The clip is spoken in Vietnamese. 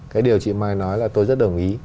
cái điều chị mai nói là tôi rất đồng ý